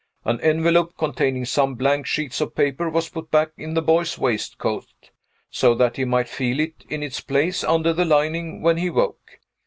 An envelope, containing some blank sheets of paper, was put back in the boy's waistcoat, so that he might feel it in its place under the lining, when he woke.